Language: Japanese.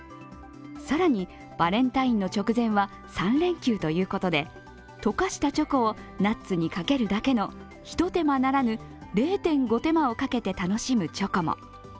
更に、バレンタインの直前は３連休ということで溶かしたチョコをナッツにかけるだけのひと手間ならぬ０．５手間をかけて楽しむチョコも。